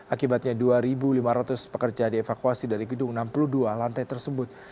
akibatnya dua lima ratus pekerja dievakuasi dari gedung enam puluh dua lantai tersebut